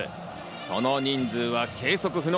その人数は計測不能。